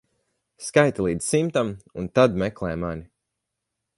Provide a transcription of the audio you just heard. Skaiti līdz simtam un tad meklē mani.